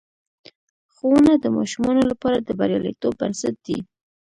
ښوونه د ماشومانو لپاره د بریالیتوب بنسټ دی.